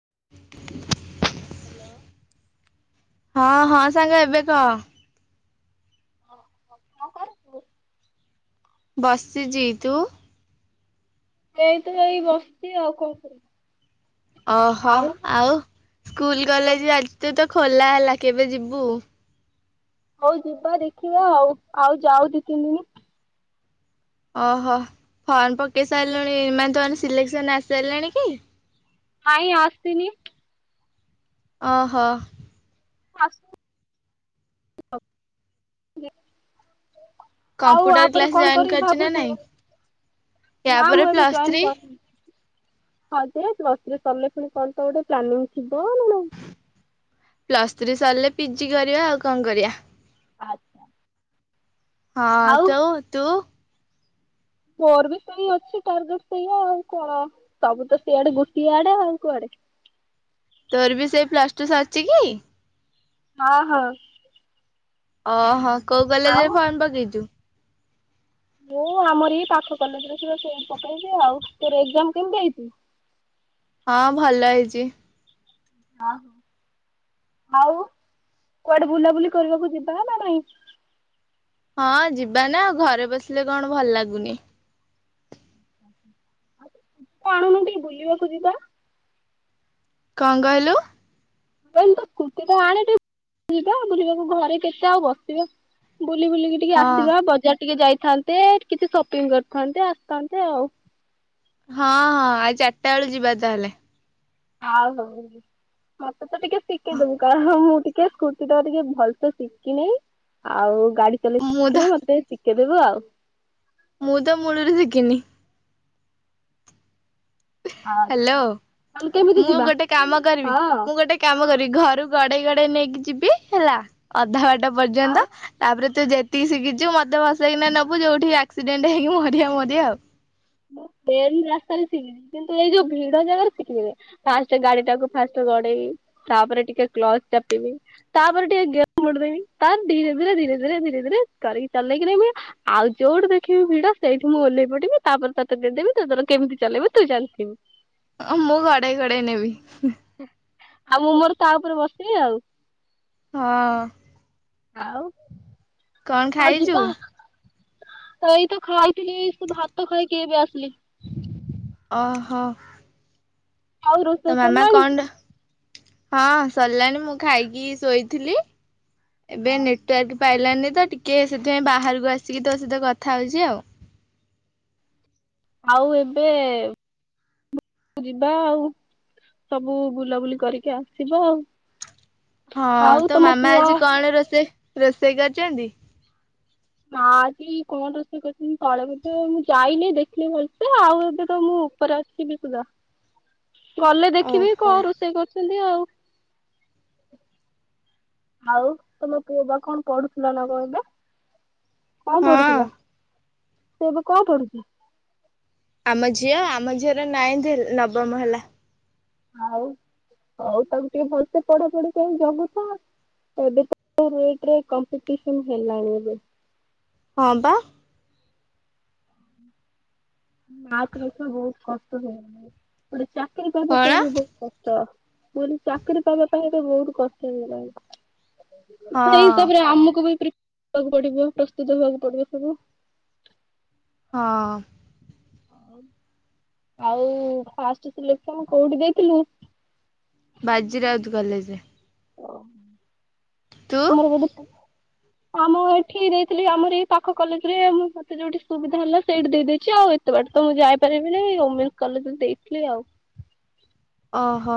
[inaudible] Hello. ହଁ ହଁ ସାଙ୍ଗ ଏବେ କହ। କଣ କରୁଛୁ? ବସିଛି ତୁ? ଏଇତ ଏଇ ବସ୍ତି ଆଉ କଣ କର? ଓହୋ ଆଉ ସ୍କୁଲ ସବୁ କଲେଜେ ଆଜି ତ ଖୋଲା ହେଲା କେବେ ଯିବୁ? ହଉ ଯିବା ଦେଖିବା ଆଉ ଆଉ ଯାଉ ଦି ତିନି ଦିନ। ଅହୋ ଫର୍ମ ପକେଇ ସାରିଲୁଣି ମାନେ ତମର ସିଲେକ୍ସନ ଆସି ସାରିଲାଣି କି? ନାଇଁ ଆସିନି। ଅହୋ। ଆସୁ। ଆଉ କମ୍ପ୍ୟୁଟର ତାପରେ କ୍ଲାସ କଣ ଜଏନ୍ କରିକି କରିଛୁ ନା ଭାବୁଛୁ? ନାଇଁ ୟା ନା ପରେ ମୁଁ ଏବେ ପ୍ଲସ୍ ଜଏନ ଥ୍ରୀ କରନି [unintelligible] ତମେ ପୁଣି କଣ ତ ଗୋଟେ ପ୍ଲାନିଂ ଥିବ ନା? ନାଇଁ ପ୍ଲସ୍ ଥ୍ରୀ ସରିଲେ ପିଜି କରିବା ଆଉ କଣ କରିବା। ଆଚ୍ଛା। ହଁ ତୁ ଆଉ ତୁ? ମୋର ବି ସେଇ ଅଛି ଟାର୍ଗେଟ ସେଇଆ ଆଉ କଣ ସବୁ ତ ସେଇଆଡେ ଗୋଟିଏ ଆଡେ ଆଉ କୁଆଡେ। ତୋର ବି ସେଇ ପ୍ଲସ ଟୁ ସରଛି କି? ହଁ ହଁ। ଓହୋ କୋଉ ଆଉ କଲେଜରେ ଫର୍ମ ପକେଇଛୁ? ମୁଁ ଆମର ଇଏ ପାଖ କଲେଜରେ ସେ ପକେଇଛି ଆଉ ତୋର ଏକ୍ଜାମ କେମିତି ହେଇଛି? ହ। [unintelligible] ହଁ ଭଲ ହେଇଛି। ହଁ। ଆଉ କୁଆଡେ ବୁଲାବୁଲି କରିବାକୁ ଯିବା ନା ନା ନାଇଁ। ହଁ ଯିବାନା ଆଉ ଘରେ ବସିଲେ କଣ ଭଲ ଲାଗୁନି। ଆଣୁନୁ ଟିକେ ଭୁଲିବାକୁ ଯିବା। କଁ କହିଲୁ? ସ୍କୁଟିଟା ଆଣେ ଟିକେ ବ ଯିବା ବୁଲିବାକୁ ଘରେ କେତେ ଆଉ ବସିବା। ବୁଲି ବୁଲିକି ଟିକେ ହଁ ଆସିବା ବଜାର ଟିକେ ଯାଇ ଥାନ୍ତେ କିଛି ସପିଂ କରିଥାନ୍ତେ ଆସିଥାନ୍ତେ ଆଉ। ହଁ ହଁ ଆଉ ଚାରିଟା ବେଳୁ ଯିବା ତାହେଲେ ହଉ ହଉ ମତେ ତ ଟିକେ ଶିଖେଇଦବୁ କଣ ମୁଁ ଟିକେ ଟେ ସ୍କୁଟି ଟା ଟିକେ ଭଲସେ ଶିଖିନି ଆଉ ଗାଡି ଚଲେଇ ମୁଁ ତ ଶିଖିନି ମତେ ଟିକେ କେଦବୁ ଆଉ। ମୁଁ ତ ମୁଳରୁ ଶଖିନି। ହ୍ୟାଲୋ ଆଚ୍ଛା। ତାହେଲେ କେମିତି ମୁଁ ଯିବା ଗୋଟେ କାମ କରିବି ହଁ ମୁଁ ଗୋଟେ କାମ କରିବି ଘରକୁ ଗଡେଇ ଗଡେଇ ନେଇକି ଯିବି ହେଲା ଅଧା ବାଟା ଆଉ ପର୍ଯ୍ୟନ୍ତ ତାପରେ ତୁ ଯେତିକି ଶିଖିଛୁ ମତେ ବସେଇକିନା ନେବୁ ଯୋଉଠି ଆକ୍ସିଡେଣ୍ଟ ହେଇକି ମରିଆ ମରିଆ ଆଉ। ମୁଁ। ପ୍ଲେନ ରାସ୍ତାରେ ଶିଖିଚି କିନ୍ତୁ ଏଇ ଯୋଉ ଭିଡ ଜାଗାରେ ଶିଖିନି ଫାଷ୍ଟ ଗାଡିଟାକୁ ଫାଷ୍ଟ ଗଡେଇ ତାପରେ ଟିକେ କ୍ଲଚ ଚାପିବି ତାପରେ ଟିକେ ଗିଅର ମୁଡିଦବି ତା ଧୀରେ ଧୀରେ ଧୀରେ ଧୀରେ ଧୀରେ କରିକି ଚଲେଇକି ମୁ ଆଉ ଯୋଉଠୁ ଦେଖିବି ଭିଡ ସେଇଠି ମୁଁ ଓହ୍ଲେଇ ପଡିବି। ତାପରେ ତତେ ଦେଇଦେବି ତୋ ତର କେମିତି ଚଲେଇବ ତୁ ଜାଣିଥିବୁ। ଅ ମୁଁ ଗଡେଇ ଗଡେଇ ନେବି। ଆଉ ମୁଁ ମୋର ତା ଉପରେ ବସିବି ଆଉ। ହଁ ଆଉ। କଣ ଖାଇଛୁ? ଆ ଏଇତ ଖାଇଥିଲି ଏଇ ସବୁ ଭାତ ଖାଇକି ଏବେ ଆସିଲି। ଅହୋ। ଆଉ ରୋଷେଇ ସରିଲାଣି? ହଁ ସରିଲାଣି ମୁଁ ଖାଇକି ଶୋଇଥିଲି? ଏବେ ନେଟୱାର୍କ ପାଇଲାନି ତ ଟିକେ ସେଥିପାଇଁ ବାହାରକୁ ଆସିକି ତୋ ସହିତ କଥା ହଉଛି ଆଉ। ଆଉ ଏବେ ଯିବା ଆଉ, ସବୁ ବୁଲାବୁଲି କରିକି ଆସିବା ଆଉ। ହଁ, ଆଉ ତୋ ତମ ମାମା ପୁଅ ଆଜି କଣ ରୋଷେଇ ରୋଷେଇ କରିଚନ୍ତି? ମାଁ, ଆଜି କଣ ରୋଷଇ କରିଛନ୍ତି ତଳେ ବଧେ। ମୁଁ ଯାଇନି ଦେଖିଲି ଭଲସେ ଆଉ, ଏବେ ତ ମୁଁ ଉପରେ ଆସିବି ପୁରା, ଗଲେ ଦେଖିବି ଓହୋ। କଣ ରୋଷେଇ କରୁଛନ୍ତି ଆଉ? ଆଉ, ତମ ପୁଅ ବା କଣ ପଢୁଥିଲା ନା କଣ ବା? କଣ ହଁ ପଢୁଥିଲା? ସେ ଏବେ କଣ ପଢୁଛି? ଆମ ଝିଅ ଆମ ଝିଅର ନାଇଁଥ ନବମ ହେଲା। ଆଉ, ହଉ ତାକୁ ଟିକେ ଭଲସେ ପଢାପଢି କରି ଜଗୁଥା। ଏବେ ପା ରେଟ୍ ରେ କମ୍ପିଟିସନ୍ ହେଲାଣି ଏବେ ହଁ ବା। ମାର୍କ ରଖିବା ବହୁତ କଷ୍ଟ ହେଇଗଣି। ଗୋଟେ ଚାକିରୀ କରିବା କଣ? ପାଇଁ ବହୁତ କଷ୍ଟ! ମୁଁ କହିଲି ଚାକିରି ପାଇବା ପାଇଁ ଏଟି ବହୁତ କଷ୍ଟ ହେଇଗଲାଣି। ସେଇ ହଁ ହିସାବରେ ଆମକୁ ବି ପ୍ରି ହେବାକୁ ପଡିବ। ପ୍ରସ୍ତୁତ ହେବାକୁ ପଡିବ ସବୁ। ହଁ। ଆଉ, ଫାଷ୍ଟ ସେଲେକ୍ସନ କୋଉଠି ଦେଇଥିଲୁ? ବାଜିରାଉତ୍ କଲେଜରେ। ଓ ତୁ? ମର ଗୋଟେ ଆମ ଏଠି ଦେଇଥିଲି ଆମର ଏଇ ପାଖ କଲେଜରେ। ମୁଁ ମତେ ଯୋଉଠି ସୁବିଧା ହେଲା, ସେଇଠି ଦେଇଦେଇଛି ଆଉ। ସେତେବାଟ ତ ମୁଁ ଯାଇପାରିବିନି। ଓମେନ୍ସ କଲେଜରେ ଦେଇଥିଲି ଆଉ। ଓହୋ!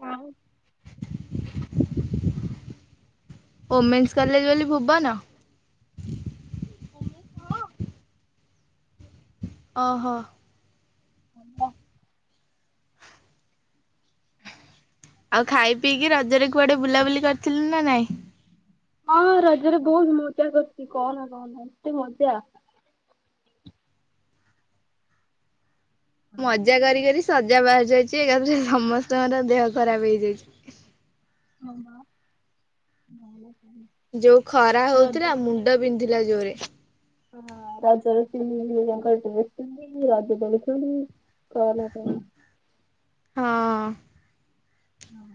ହ, ଓମେନ୍ସ କଲେଜ ବୋଲି ଭୁବନ! ହମି ହଁ। ଅହୋ। ହଁ ବା। ଆଉ, ଖାଇ ପିଇକି ରଜରେ କୁଆଡେ ବୁଲାବୁଲି କରିଥିଲୁ ନା ନାଇଁ? ହଁ, ରଜରେ ବହୁତ ମଜା କରଛି। କହନା କହନା ଏତେ ମଜା! ମଜା କର କରି ଶଯା ବାହାରି ଯାଇଛି। ଏକାଥରେ ସମସ୍ତଙ୍କର ଦେହ ଖରାପ ହେଇଯାଇଛି। ହଁ, ହଁ [inaudible] ଯୋଉ ଖରା ହଉଥିଲା। ମୁଣ୍ଡ ବିନ୍ଧିଲା ଜୋରେ। ହଁ ରାଜା ର [unintelligible] ରଜ ଦୋଳି ଖେଳି କଣ ପାଇଁ? ହଁ। ହଁ।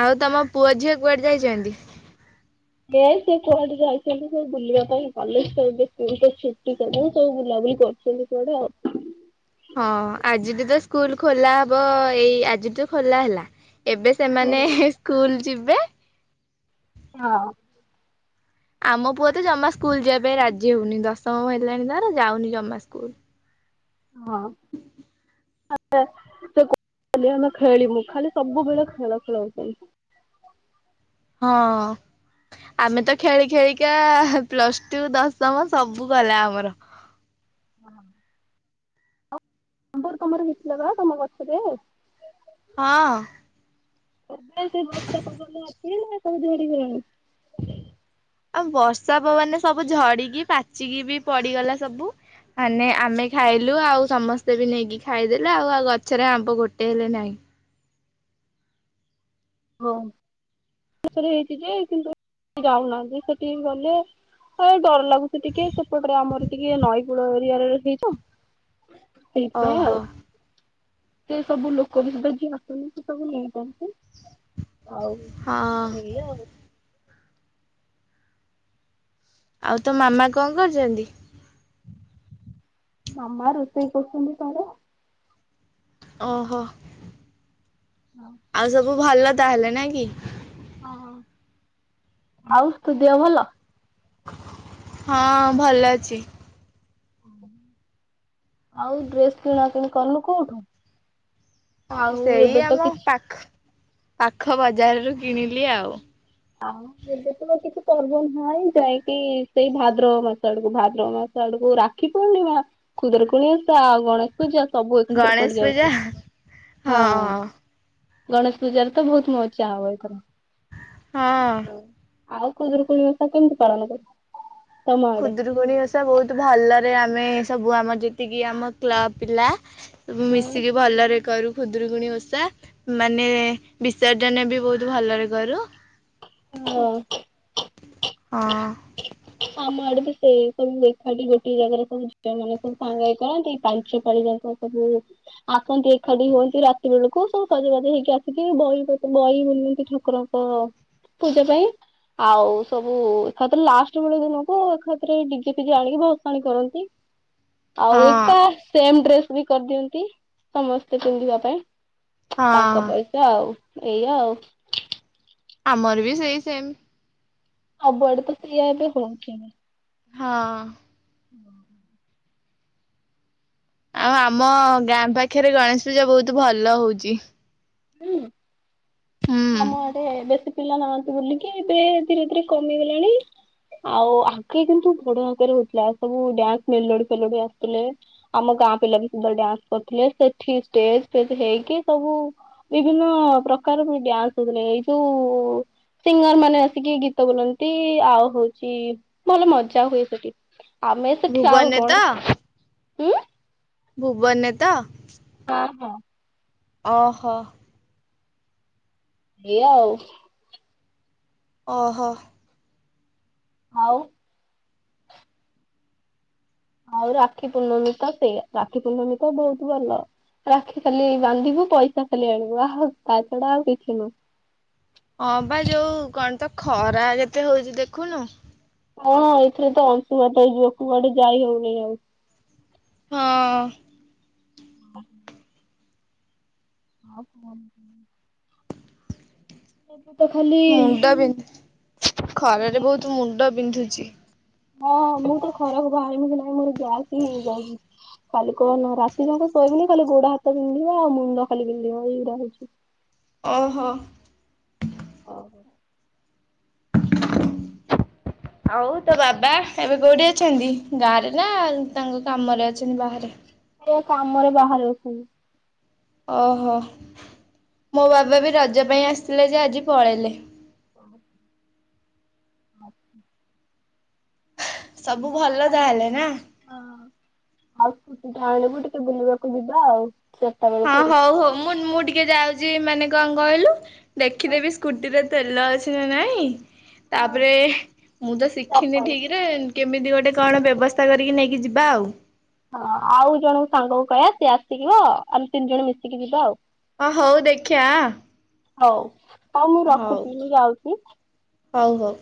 ଆଉ, ତମ ପୁଅ ଝିଅ କୁଆଡେ ଯାଇଛନ୍ତି? ନାଇଁ, ସେ କୁଆଡେ ଯାଇଛନ୍ତି ସବୁ ବୁଲିବା ପାଇଁ। କଲେଜ ତ ଏବେ ସ୍କୁଲ ଛୁଟି କଲେଜ। ସ ବୁଲା ମୁଁ କହିଲି, କରୁଛନ୍ତି କୁଆଡେ ଆଉ? ହଁ ଆଜିଠୁ ତ ସ୍କୁଲ ଖୋଲା ହବ-ଅ, ଏଇ ଆଜି ତ ଖୋଲା ହେଲା। ଏବେ ସେମାନେ ହୁଁ ସ୍କୁଲ ଯିବେ। ହଁ। ଆମ ପୁଅ ତ ଜମା ସ୍କୁଲ ଯିଆ ପାଇଁ ରାଜି ହଉନି। ଦଶମ ହେଲାଣି ତାର ଯାଉନି ଜମା ସ୍କୁଲ। ହଁ। [inaudible] ଖେଳିମୁଁ ଖାଲି ସବୁବେଳେ ଖେଳ ଖେଳ ହଉଛନ୍ତି। ହ ହଁ। ଆମେ ତ ଖେଳି ଖେଳିକା ପ୍ଲସ ଟୁ, ଦଶମ ସବୁ ଗଲା ଆମର। [inaudible] ଆମ୍ବର ତମର ହେଇଥିଲା ବା ତମ ଗଛରେ ଏ? ହଁ। [unintelligible] ସେ ବର୍ଷା ପବନ ଅଛି ନା ସବୁ ଝଡି ଗଲାଣି? ଆଉ ବର୍ଷା ପବନ ରେ ସବୁ ଝଡିକି ପାଚିକି ବି ପଡିଗଲା ସବୁ। ମାନେ ଆମେ ଖାଇଲୁ ଆଉ ସମସ୍ତେ ବି ନେଇକି ଖାଇଦେଲେ ଆଉ ଆଉ ଗଛରେ ଆମ୍ବ ଗୋଟେ ହେଲେ ନାହିଁ। ଓହୋ। ଗଛ ରେ ହେଇଚି ଯେ କିନ୍ତୁ ଯାଉ ନାହାନ୍ତି ସେଠିକି ଗଲେ ହେ ଡର ଲାଗୁ ଉଚି ଟିକେ ସେପଟ ରେ ଆମର ଟିକେ ନଈକୂଳ ଏରିଆରେ ରହିଚୁ ସେଇଠି ପାଇଁ ଓହୋ ଆଉ ସେ ସବୁ ଲୋକ ବି ସୁଧା ଯିଏ ଆସନ୍ତି ସେ ସବୁ ନେଇଯାନ୍ତି। ଆଉ ହଁ ଏୟା ଆଉ ଆଉ ତୋ ମାମା କଣ କରୁଚନ୍ତି? ମାମା ରୋଷେଇ କରୁଚନ୍ତି ତାର ଓହୋ। ଆଉ ସବୁ ଭଲ ତାହେଲେ ନା କି? ହଁ ଆଉ ତୋ ଦେହ ଭଲ? ହଁ ଭଲ ଅଛି। ଆଉ ଡ୍ରେସ୍ କିଣା କିଣି କଲୁ କୋଉଠୁ? ଆଉ ସେଇ ଏବେ ତ ଆମ କିଛି ପାଖ ପାଖ ବଜାରରୁୁ କିଣିଲି ଆଉ। ଆଉ ଏବେ ତ ଆଉ କିଛି ପର୍ବ ନାହିଁ ଯାଇକି ସେଇ ଭାଦ୍ରବ ମାସ ଆଡକୁ ଭାଦ୍ରବ ମାସ ଆ ଡ଼କୁ ରାକ୍ଷୀ ପୁର୍ଣିମା ଖୁଦୁରୁକୁଣୀ ଓଷା ଆଉ ଗଣେଶ ପୂଜା ସବୁ ଏକାଥରେ ଗଣେଶ ପଡି ପୂଜା ଯାଉଚି ହଁ। ଗଣେଶ ପୂଜାରେ ତ ବହୁତ ମଜା ହବ ଏଥର ହଁ। ହଉ ଆଉ ଖୁଦୁରୁକୁଣୀ ଓଷା କେମିତି ପାଳନ କର? ତମ ଆଡେ? ଖୁଦୁରୁକୁଣି ଓଷା ବହୁତ ଭଲରେ ଆମେ ସବୁ ଆମର ଯେତିକି ଆମ କ୍ଲବ ପିଲା ସବୁ ମିଶିକି ଭଲରେ କରୁ। ଖୁଦୁରୁକୁଣୀ ଓଷା ମାନେ ବିସର୍ଜନ ବି ବହୁତ ଭଲରେ କରୁ। [unintelligible] ହଁ। ଆମ ଆଡେ ବି ସେଇ ସବୁ ଏକାଠି ଗୋଟେ ଜାଗାରେ ସବୁ ଝିଅ ମାନେ ସବୁ ସାଙ୍ଗ ହେଇ କରନ୍ତି ପାଞ୍ଚ ପାଳି ଯାଙ୍କ ହୁଁ ଆସନ୍ତି ଏକାଠି ହୁଅନ୍ତି ରାତି ବେଳକୁ ସବୁ ସଜବାଜ ହେଇକି ଆସିକି ବହି ପତ୍ର ବହି ବୋଲ ଏମିତି ଠାକୁରଙ୍କ ପୂଜା ପାଇଁ ଆଉ ସବୁ ଏକାଥରେ ଲାଷ୍ଟ ଷ୍ଟ ବେଳ ଦିନକୁ ଏକାଥରେ ଡିଜେ ଫିଜେ ଆଣିକି ଭସାଣି କରନ୍ତି। ଆଉ ହଁ ଏକା ସେମ ଡ୍ରେସ୍ ବି କରିଦିଅନ୍ତି ସମସ୍ତେ ପିନ୍ଧିବା ପାଇଁ ତାଙ୍କ ହଁ ପଇସା ଆଉ ଏଇଆ ଆଉ ଆମର ବି ସେଇ ସେମ ଆଉ ବଡ ତ ସିଏ ଏବେ ପ୍ରଂଚିଙ୍ଗ୍ ହଁ। [unintelligible] ଆଉ ଆମ ଗାଁ ପାଖରେ ଗଣେଶ ପୂଜା ବହୁତ ଭଲ ହଉଚି। ଉଁ ଆମ ଆଡେ ବେଶୀ ପିଲା ନାହାନ୍ତି ବୋଲିକି ଏବେ ଧୀରେ ଧୀରେ କମିଗଲାଣି ଆଉ ଆଗେ କିନ୍ତୁ ବଡ ଆକାରରେ ହଉଥିଲା ଆଉ ସବୁ ଡ୍ୟାନ୍ସ ମେଲୋଡି ଫେଲୋଡି ଆସୁଥିଲେ ଆମ ଗାଁ ଗାଁ ପିଲା ବି ସବୁବେଳେ ଡ୍ୟାନ୍ସ କରୁଥିଲେ ସେଠି ଷ୍ଟେଜ ଫେଜ ହେଇକି ସବୁ ବିଭିନ୍ନ ପ୍ରକାର ବି ଡ୍ୟାନ୍ସ ହେଉଥିଲେ ଏଇ ଯୋଉ ସିଙ୍ଗର ମାନେ ଆସିକି ଗୀତ ବୋଲନ୍ତି ଆଉ ହଉଚି ଭଲ ମଜା ହୁଏ ସେଠି। ଆମେ ସେଠି ଆଉ ଭୁବନରେ କଣ ଉଁ ଭୂବନେ ତ? ହଁ ହଁ। ଅ ହ ଏଇଆ ଆଉ ଓ ହୋ। ଆଉ ଆଉ ରାକ୍ଷୀ ପୂର୍ଣ୍ଣମୀ ତ ସେଇଆ ରାକ୍ଷୀ ପୂର୍ଣ୍ଣମୀ ତ ବହୁତ ଭଲ। ରାକ୍ଷୀ ଖାଲି ବାନ୍ଧିବୁ ପଇସା ଖାଲି ଆଣିବୁ ଆହ ତା ଛଡା ଆଉ କିଛି ନୁହଁ। ହଁ ବା ଯୋଉ କଣ ତ ଖରା ଯେତେ ହଉଚି ଦେଖୁନୁ ହଁଁ ଏଥିରେ ତ ଅଂଶୁଘାତ ହେଇଯିବ କୁଆଡେ ଯାଇ ହଉନି ଆଉ। ହଁ। ହଁ ହଁ [unintelligible] ଏବେ ତ ଖାଲି ମୁଣ୍ଡ ବିନ୍ଧୁ ଖରାରେ ବହୁତ ମୁଣ୍ଡ ବିନ୍ଧୁଚି। ଏ ମୋର ଯାଇକି ହେଇଯାଇଚି କାଲି କହନା ରାତି ଯାକ ଶୋଇବିନି ଖାଲି ଗୋଡ ହାତ ବିନ୍ଧିବ ଆଉ ମୁଣ୍ଡ ଖାଲି ବିନ୍ଧିବ ଏଇଗୁରା ହଉଚି। ଅହୋ। [inaudible] [inaudible] ଆଉ ତୋ ବାବା ଏବେ କୋଉଠି ଅଛନ୍ତି ଗାଁରେ ନାଁ ତାଙ୍କ କାମରେ ଅଛନ୍ତି ବାହାରେ? ସେ କାମରେ ବାହାରେ ଅଛନ୍ତି। ଓହୋ ମୋ ବାବା ବି ରଜ ପାଇଁ ଆସିଥିଲେ ଯେ ଆଜି ପଳେଇଲେ। [unintelligible] ସବୁ ଭଲ ତାହେଲେ ନାଁ? ଆଉ ସ୍କୁଟି ଟା ଆଣିବୁ ଟିକେ ବୁଲିବାକୁ ଯିବା ଆଉ। ଚାରିଟା ହଁ ବେଳକୁ ହଉ ହଉ ମୁଁ ମୁଁ ଟିକେ ଯାଉଚି ମାନେ କଣ କହିଲୁ ଦେଖିଦେବି ସ୍କୁଟିରେ ତେଲ ଅଛି ନା ନାଇଁ ତାପରେ ମୁଁ ତ ଚାରିଟା ଶିଖିନି ବେଳକୁ। ଠିକରେ କେମିତି ଗୋ ଟେ କଣ ବ୍ୟବସ୍ଥା କରିକି ନେଇକି ଯିବା ଆଉ। ହଁ ଆଉ ଜଣେ ସାଙ୍ଗକୁ କହିବା ସିଏ ଆସିଜିବ ଆମେ ତିନି ଜଣ ମିଶିକି ଯିବା ଆଉ। ଅ ହଉ ଦେଖିଆ। ହଉ ହଉ ମୁଁ ରଖୁଛି ମୁଁ ଯାଉଛି। ହଉ ହଉ।